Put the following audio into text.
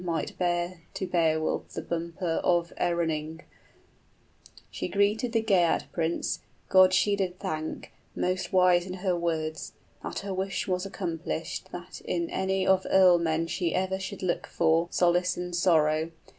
} Might bear to Beowulf the bumper o'errunning; She greeted the Geat prince, God she did thank, Most wise in her words, that her wish was accomplished, 70 That in any of earlmen she ever should look for Solace in sorrow.